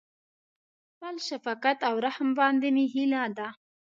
په خپل شفقت او رحم باندې مې هيله ده.